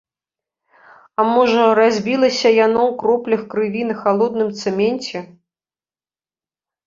А можа, разбілася яно ў кроплях крыві на халодным цэменце?